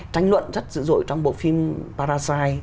tranh luận rất dữ dội trong bộ phim parasite